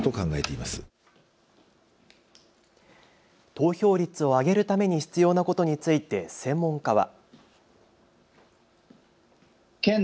投票率を上げるために必要なことについて専門家は。